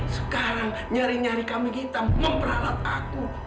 sekarang nyari nyari kambing hitam memperalat aku